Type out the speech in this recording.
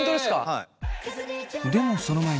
はい。